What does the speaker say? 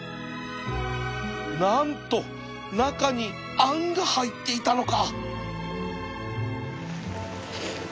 何と中にあんが入っていたのか！？